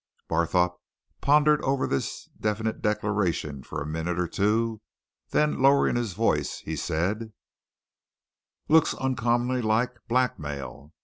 Barthorpe pondered over this definite declaration for a minute or two. Then, lowering his voice, he said: "Looks uncommonly like blackmail!